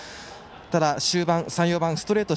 ただ、終盤３、４番ストレート